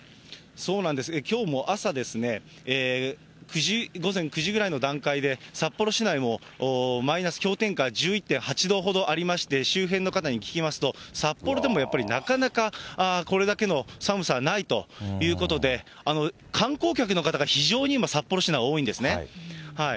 そうなんです、きょうも朝、午前９時ぐらいの段階で札幌市内もマイナス、氷点下１１．８度ほどありまして、周辺の方に聞きますと、札幌でもやっぱりなかなかこれだけの寒さないということで、観光客の方が非常に今、札幌市内多いんですね。